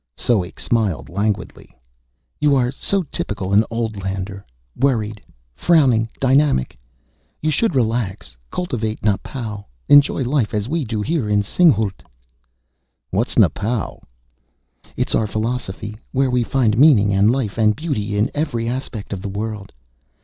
Soek smiled languidly. "You are so typical an old lander worried, frowning, dynamic. You should relax, cultivate napaû, enjoy life as we do here in Singhalût." "What's napaû?" "It's our philosophy, where we find meaning and life and beauty in every aspect of the world."